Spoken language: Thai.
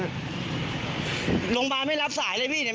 โรงพยาบาลไม่รับสายเลยพี่เนี่ย